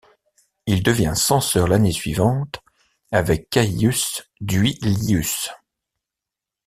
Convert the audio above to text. Il devient censeur l'année suivante avec Caius Duilius.